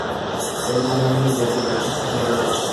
এর মানে আমি নিজের রুমে ফিরতে পারব।